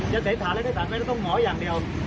เตรียมถามใกล้ประทานว่าถึงหมอยังเดียว